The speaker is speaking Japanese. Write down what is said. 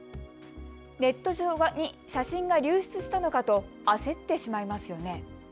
ネット上に写真が流出したのかと焦ってしまいますよね。